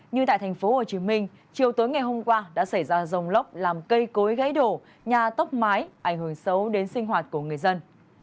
như tại thành phố hồ chí minh chiều tối ngày hôm qua đã xảy ra rông lốc làm cây cối gãy đổ nhà tốc mái ảnh hưởng xấu đến sinh hoạt của người dân